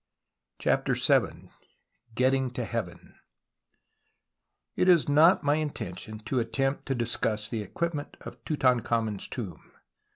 CHAPTER VII GETTIXC; TO HEAVEN It is not my intention to attempt to dis cuss the equipment of Tutankhamen's tomb.